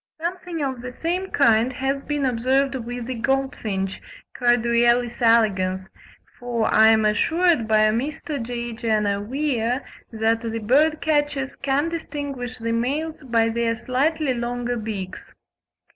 Something of the same kind has been observed with the goldfinch (Carduelis elegans), for I am assured by Mr. J. Jenner Weir that the bird catchers can distinguish the males by their slightly longer beaks.